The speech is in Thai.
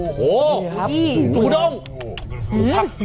โอ้โฮสูด้ม